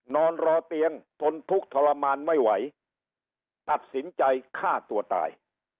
นอนรอเตียงทนทุกข์ทรมานไม่ไหวตัดสินใจฆ่าตัวตาย